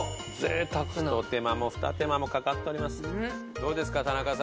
ひと手間もふた手間もかかっております。